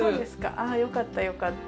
あよかったよかった。